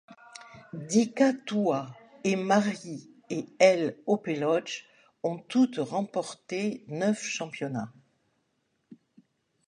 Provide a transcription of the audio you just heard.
Dika Toua et Mary et Elle Opeloge ont toutes remporté neuf championnats.